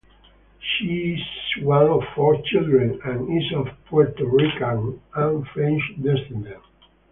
She is one of four children, and is of Puerto Rican and French descent.